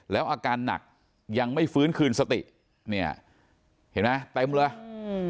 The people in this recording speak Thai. แล้วอาการหนักยังไม่ฟื้นคืนสติเนี่ยเห็นไหมเต็มเลยอืม